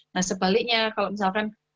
nah sebaliknya kalo misalkan